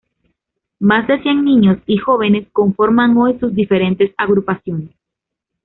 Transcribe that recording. Más de cien niños y jóvenes conforman hoy sus diferentes agrupaciones.